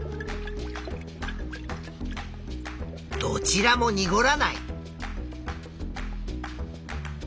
どちらもにごらない。